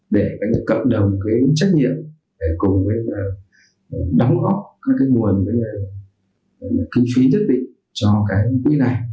để cập đồng cái trách nhiệm cùng với đóng góp các nguồn kinh phí thiết bị cho cái quỹ này